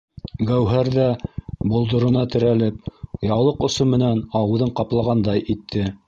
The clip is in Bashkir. Гәүһәр ҙә, болдорона терәлеп, яулыҡ осо менән ауыҙын ҡаплағандай итте: